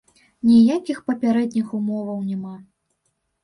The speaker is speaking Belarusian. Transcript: Ніякіх папярэдніх умоваў няма.